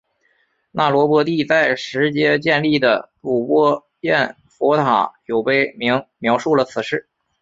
那罗波帝在实皆建立的睹波焰佛塔有碑铭描述了此事。